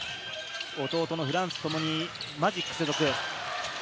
弟のフランツとともにマジック所属です。